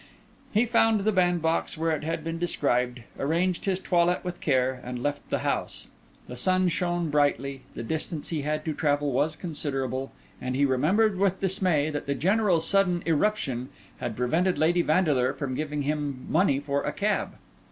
He found the bandbox where it had been described, arranged his toilette with care, and left the house. The sun shone brightly; the distance he had to travel was considerable, and he remembered with dismay that the General's sudden irruption had prevented Lady Vandeleur from giving him money for a cab.